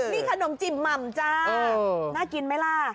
นี่ขนมจิบหม่ำจ้าน่ากินไหมล่ะ